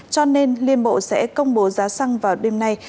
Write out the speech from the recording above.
cho nên liên bộ sẽ công bố giá xăng vào đêm nay